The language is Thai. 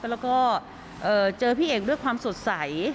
แล้วก็เจอพี่เอกด้วยความสดใส